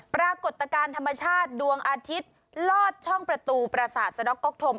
ปรากฏการณ์ธรรมชาติดวงอาทิตย์ลอดช่องประตูประสาทสะดอกก๊อกธม